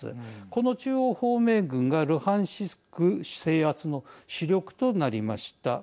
この中央方面軍がルハンシク制圧の主力となりました。